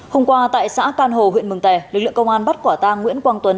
hôm qua tại xã can hồ huyện mừng tè lực lượng công an bắt quả tang nguyễn quang tuấn